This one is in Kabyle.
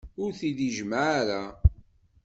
Ur t-id-jemmeɛ ara.